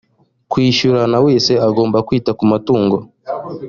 kwishyurana wese agomba kwita kumatungo